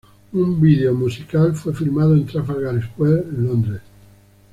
Un video musical fue filmado en Trafalgar Square en Londres.